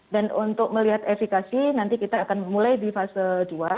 dan untuk melihat efekasi nanti kita akan mulai di fase dua